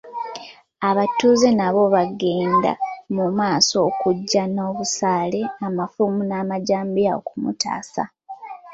Abatuuze nabo baagenda mu maaso okujja nga n'obusaale, amafumu n'amajambiya okumutaasa.